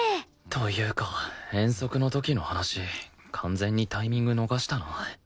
というか遠足の時の話完全にタイミング逃したな